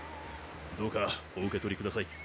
どうかお受け取りください。